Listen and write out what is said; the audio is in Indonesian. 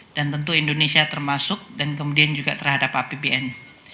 dan tentu indonesia termasuk dan kemudian juga terhadap apbn